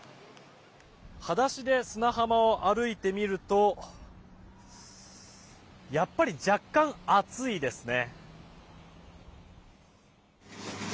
裸足で砂浜を歩いてみるとやっぱり若干熱いですね。